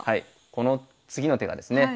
この次の手がですね